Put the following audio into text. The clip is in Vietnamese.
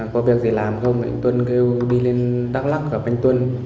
có việc gì làm không anh tuân kêu đi lên đắk lắc và anh tuân